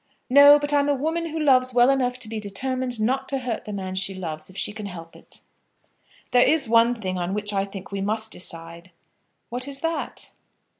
"No; but I'm a woman who loves well enough to be determined not to hurt the man she loves if she can help it." "There is one thing on which I think we must decide." "What is that?"